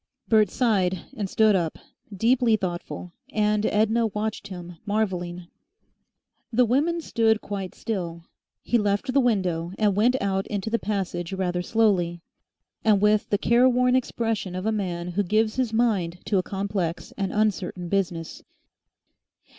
Bert sighed and stood up, deeply thoughtful, and Edna watched him, marvelling. The women stood quite still. He left the window, and went out into the passage rather slowly, and with the careworn expression of a man who gives his mind to a complex and uncertain business.